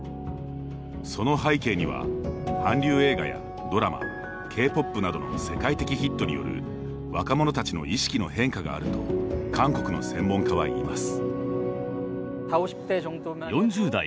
その背景には、韓流映画やドラマＫ−ＰＯＰなどの世界的ヒットによる若者たちの意識の変化があると韓国の専門家は言います。